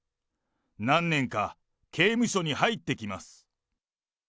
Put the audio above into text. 何年か刑務所に入ってきます。